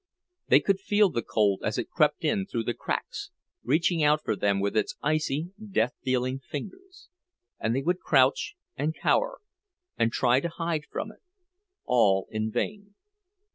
They could feel the cold as it crept in through the cracks, reaching out for them with its icy, death dealing fingers; and they would crouch and cower, and try to hide from it, all in vain.